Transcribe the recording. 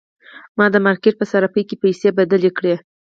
ما د مارکیټ په صرافۍ کې پیسې بدلې کړې.